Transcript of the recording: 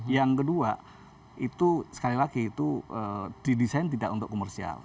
yang kedua itu sekali lagi itu didesain tidak untuk komersial